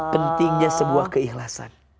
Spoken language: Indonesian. pentingnya sebuah keikhlasan